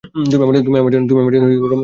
তুমি আমার জন্য রহমতকে বাড়িয়ে দাও।